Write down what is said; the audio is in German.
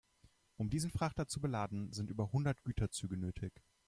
Um diesen Frachter zu beladen, sind über hundert Güterzüge nötig.